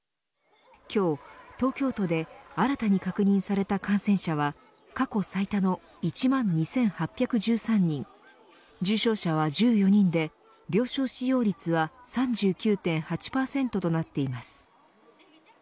今日、東京都で新たに確認された感染者は過去最多の１万２８１３人重症者は１４人で病床使用率は３９．８％となっています。